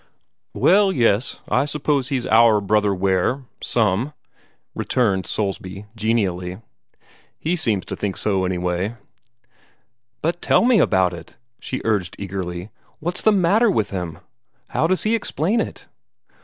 "Well, yes, I suppose he's OUR Brother Ware some," returned Soulsby, genially. "He seems to think so, anyway." "But tell me about it!" she urged eagerly. "What's the matter with him? How does he explain it?"